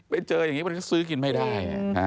ไปเจออย่างนี้มันก็ซื้อกินไม่ได้